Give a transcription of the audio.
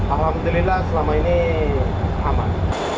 alhamdulillah selama ini aman